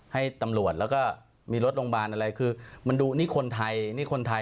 ให้ตำรวจแล้วก็มีรถโรงพยาบาลอะไรคือมันดูนี่คนไทยนี่คนไทย